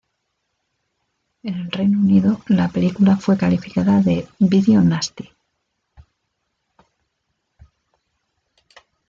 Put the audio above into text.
En el Reino Unido la película fue calificada de "video nasty".